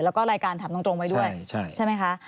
แล้วก็รายการถามตรงไว้ด้วยใช่ไหมคะ